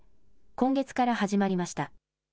今月から始まりました。